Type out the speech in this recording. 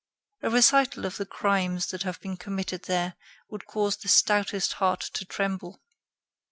A recital of the crimes that have been committed there would cause the stoutest heart to tremble.